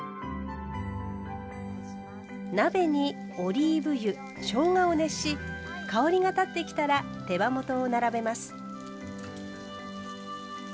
鍋にオリーブ油しょうがを熱し香りが立ってきたら手羽元を並べます。